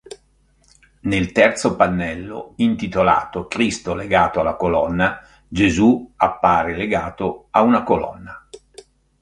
Nel terzo pannello, intitolato "Cristo legato alla colonna", Gesù appare legato a una colonna.